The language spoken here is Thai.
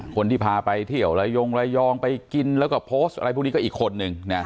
คนที่พาไปเที่ยวระยงระยองไปกินแล้วก็โพสต์อะไรพวกนี้ก็อีกคนนึง